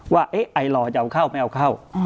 ว่าเอ๊ะไอหล่อจะเอาเข้าไม่เอาเข้า